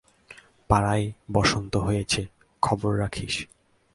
পাড়ায় বসন্ত হয়েছে খবর রাখিস?